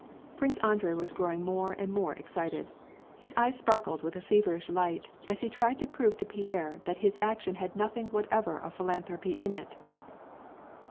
Prince Andrei was still growing more and more excited. His eyes sparkled with a feverish light, as he tried to prove to Pierre that his action had nothing whatever of philanthropy in it.